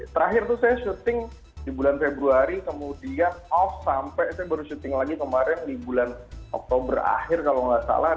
terakhir tuh saya syuting di bulan februari kemudian off sampai saya baru syuting lagi kemarin di bulan oktober akhir kalau nggak salah